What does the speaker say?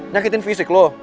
nyakitin fisik lo